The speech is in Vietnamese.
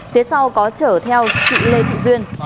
phía sau có chở theo chị lê thị duyên